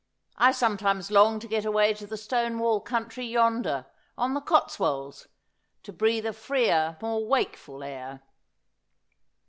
I sometimes long to get away to the stone wall country yonder, on the Cotswolds, to breathe a fre%r, more wakeful air.'